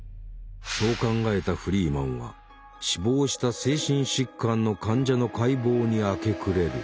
そう考えたフリーマンは死亡した精神疾患の患者の解剖に明け暮れる。